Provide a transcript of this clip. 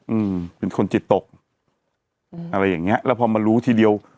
อืมเป็นคนจิตตกอืมอะไรอย่างเงี้ยแล้วพอมารู้ทีเดียว